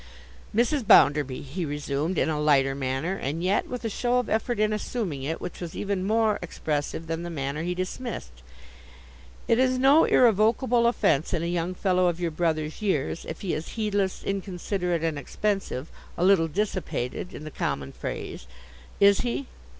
'Mrs. Bounderby,' he resumed, in a lighter manner, and yet with a show of effort in assuming it, which was even more expressive than the manner he dismissed; 'it is no irrevocable offence in a young fellow of your brother's years, if he is heedless, inconsiderate, and expensive—a little dissipated, in the common phrase. Is he?